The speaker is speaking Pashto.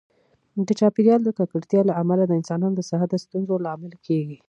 د چاپیریال د ککړتیا له امله د انسانانو د صحت د ستونزو لامل کېږي.